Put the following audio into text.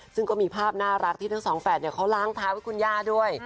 ซึ่งก็มีภาพน่ารักที่ทั้งสองแฝดเขาล้างเท้าให้คุณย่าด้วย